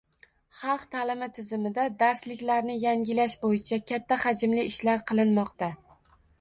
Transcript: Xalq taʼlimi tizimida darsliklarni yangilash boʻyicha katta hajmli ishlar qilinmoqda